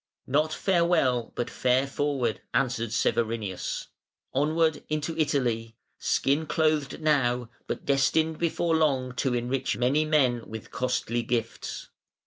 "Not farewell, but fare forward", answered Severinus. "Onward into Italy: skin clothed now, but destined before long to enrich many men with costly gifts".